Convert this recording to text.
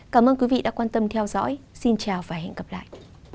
cảm ơn quý vị đã quan tâm theo dõi xin chào và hẹn gặp lại